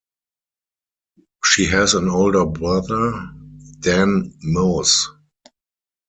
She has an older brother, Dan Moos.